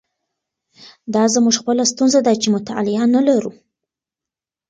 دا زموږ خپله ستونزه ده چې مطالعه نه لرو.